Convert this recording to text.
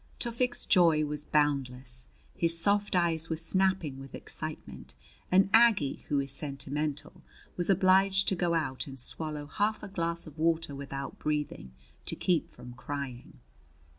Tufik's joy was boundless; his soft eyes were snapping with excitement; and Aggie, who is sentimental, was obliged to go out and swallow half a glass of water without breathing to keep from crying.